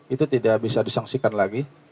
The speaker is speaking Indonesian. itu tidak bisa disangsikan lagi